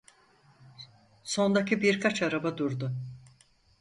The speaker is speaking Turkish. Sondaki birkaç araba durdu.